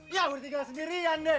ya udah tinggal sendirian deh